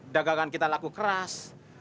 dagangan kita laku keras